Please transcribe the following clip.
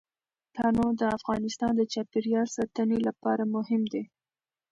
تنوع د افغانستان د چاپیریال ساتنې لپاره مهم دي.